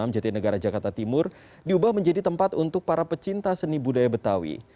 jatinegara jakarta timur diubah menjadi tempat untuk para pecinta seni budaya betawi